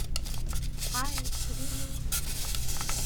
Densely rich cemetery songs.